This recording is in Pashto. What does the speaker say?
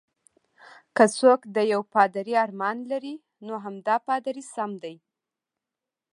که څوک د یو پادري ارمان لري، نو همدا پادري سم دی.